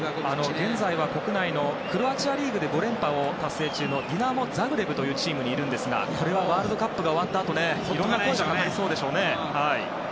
現在は国内のクロアチアリーグで５連覇を達成中のディナモ・ザグレブというチームにいるんですがこれはワールドカップが終わったあといろいろ声がかかりそうですね。